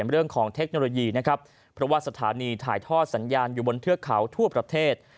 เพราะสัญญาณอยู่บนเทือกเขาทั่วประเทศ